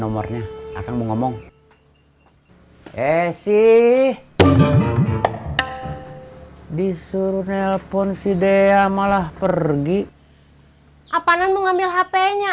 teleponnya akan mau ngomong eh sih disuruh nelpon si dea malah pergi apaanan mengambil hpnya